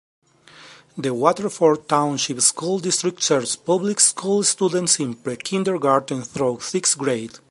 The Waterford Township School District serves public school students in pre-kindergarten through sixth grade.